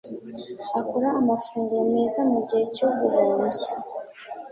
akora amafunguro meza mugihe cyo guhumbya.